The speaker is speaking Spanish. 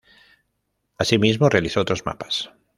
Asimismo realizó otros mapas.